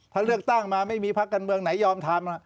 ถ้าเลือกตั้งมาไม่มีพักการเมืองไหนยอมทำ